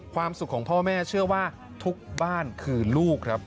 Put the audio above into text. ความสุขของพ่อแม่เชื่อว่าทุกบ้านคือลูกครับ